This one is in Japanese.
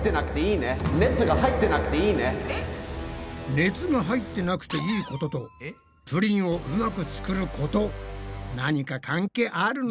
熱が入ってなくていいこととプリンをうまく作ること何か関係あるの？